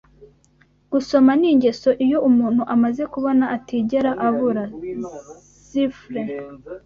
Gusoma ni ingeso iyo umuntu amaze kubona atigera abura. (Zifre)